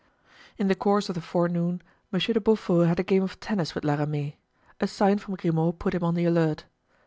In the course of the forenoon Monsieur de Beaufort had a game of tennis with La Ramee; a sign from Grimaud put him on the alert.